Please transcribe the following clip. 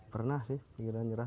pernah sih pikiran nyerah